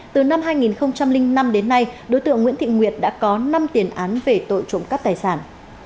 từ năm hai nghìn năm đến nay đối tượng nguyễn thị nguyệt đã có năm tiền án về tội trộm cắp tài sản